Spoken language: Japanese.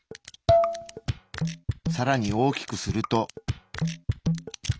さらに大きくすると。